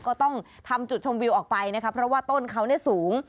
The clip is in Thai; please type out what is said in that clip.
ก็ต้องทำจุดชมวิวออกไปนะคะแม้ต้นเข้าสูง